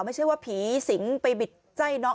ไม่ใช่ว่าผีสิงไปบิดใจน้อง